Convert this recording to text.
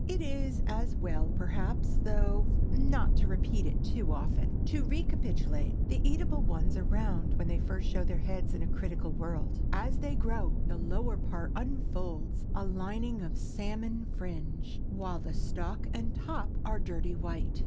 It is as well perhaps, though, not to repeat it too often. To re capitulate.—The eatable ones are round when they first show their heads in a critical world. As they grow, the lower part unfolds a lining of salmon fringe, while the stalk and top are dirty white.